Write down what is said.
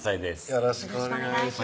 よろしくお願いします